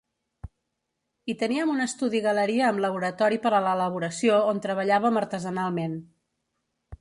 Hi teníem un estudi-galeria amb laboratori per a l’elaboració on treballàvem artesanalment.